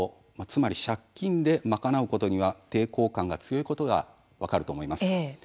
つまり借金で賄うことには抵抗感が強いことが分かると思います。